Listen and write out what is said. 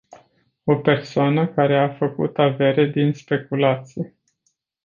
O persoană care a făcut avere din speculații.